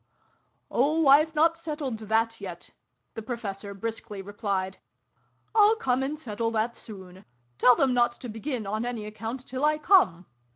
"Oh, I've not settled that yet!" the Pro fessor briskly replied. " I'll come and settle that, soon. Tell them not to begin, on any account, till I come!